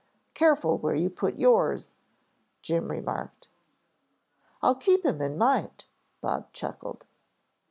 Careful where you put yours," Jim remarked. "I'll keep him in mind," Bob chuckled.